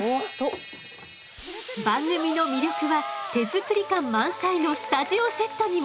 番組の魅力は手作り感満載のスタジオセットにも。